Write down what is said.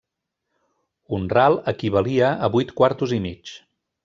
Un ral equivalia a vuit quartos i mig.